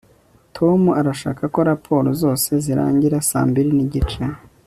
tom arashaka ko raporo zose zirangira saa mbiri nigice